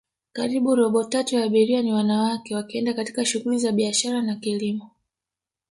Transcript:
karibu robo tatu ya abiria ni wanawake wakienda katika shuguli za biashara na kilimo